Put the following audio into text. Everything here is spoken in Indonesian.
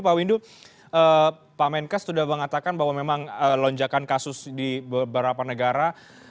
pak windu pak menkes sudah mengatakan bahwa memang lonjakan kasus di beberapa negara